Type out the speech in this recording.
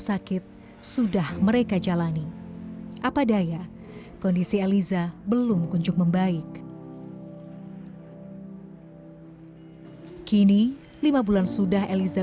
sakit sudah mereka jalani apa daya kondisi eliza belum kunjung membaik kini lima bulan sudah eliza